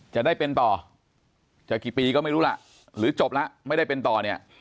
จะได้เป็นต่อจะกี่ปีก็ไม่รู้ล่ะหรือจบแล้วไม่ได้เป็นต่อเนี่ย